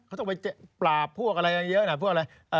เขาต้องไปปราบพวกอะไรเยอะนะพวกอะไร